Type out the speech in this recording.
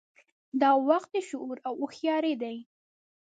دا وخت د شعور او هوښیارۍ دی.